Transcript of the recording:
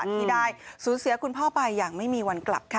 ที่ได้สูญเสียคุณพ่อไปอย่างไม่มีวันกลับค่ะ